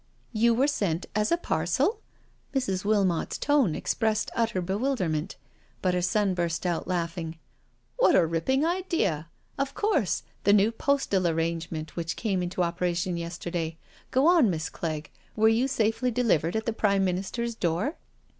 "You were sent as a parcel?*' Mrs. Wilmot's tone expressed utter bewilderment, but her son burst out laughing : "What a ripping ideal Of course, the new postal arrangement which came into operation yesterday — go on, Miss Clegg, were you safely delivered at the Prime Minister's door?"